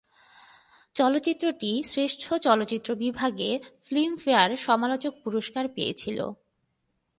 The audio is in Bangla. চলচ্চিত্রটি শ্রেষ্ঠ চলচ্চিত্র বিভাগে ফিল্মফেয়ার সমালোচক পুরস্কার পেয়েছিলো।